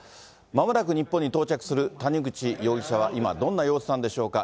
まもなく日本に到着する谷口容疑者は今、どんな様子なんでしょうか。